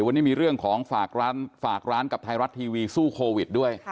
วันนี้มีเรื่องของฝากร้านฝากร้านกับไทยรัฐทีวีสู้โควิดด้วย